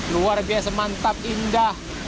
luar biasa mantap indah